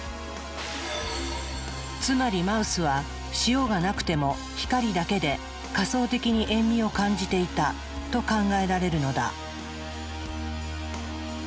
つまりマウスは塩がなくても光だけで仮想的に塩味を感じていたと考えられるのだ。